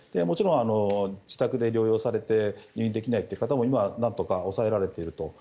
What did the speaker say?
もちろん、自宅で療養されて入院できない方も今、なんとか抑えられていると。